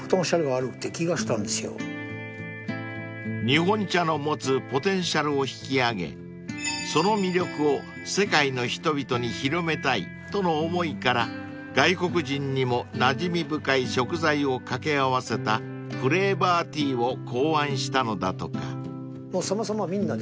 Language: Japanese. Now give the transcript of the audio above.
［日本茶の持つポテンシャルを引き上げその魅力を世界の人々に広めたいとの思いから外国人にもなじみ深い食材を掛け合わせたフレーバーティーを考案したのだとか］